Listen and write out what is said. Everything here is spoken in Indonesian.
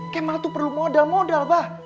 kemal tuh perlu modal modal bah